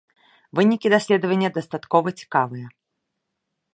Вынікі даследавання дастаткова цікавыя.